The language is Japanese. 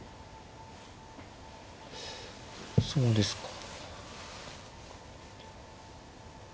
そうですか。